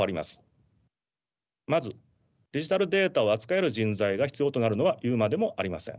まずデジタルデータを扱える人材が必要となるのは言うまでもありません。